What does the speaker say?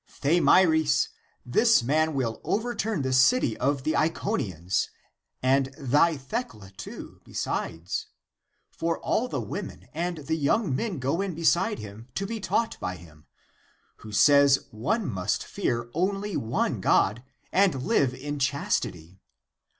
Thamyris ! this man will overturn the city of the Iconians, and thy Thecla too, besides; for all the women and the young men go in beside him to be taught by him, who says one must fear only one God and live in chastity.